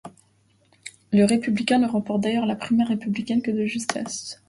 Le républicain ne remporte d'ailleurs la primaire républicaine que de justesse.